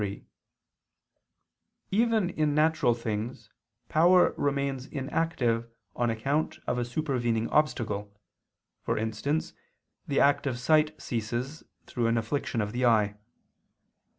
3: Even in natural things power remains inactive on account of a supervening obstacle, for instance the act of sight ceases through an affliction of the eye.